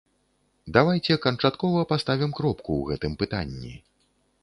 Давайце канчаткова паставім кропку ў гэтым пытанні.